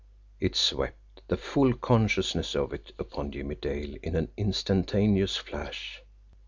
It swept, the full consciousness of it, upon Jimmie Dale in an instantaneous flash.